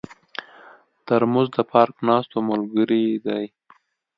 ترموز د پارک ناستو ملګری دی.